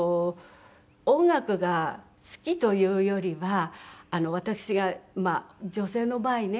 音楽が好きというよりは私が女性の場合ね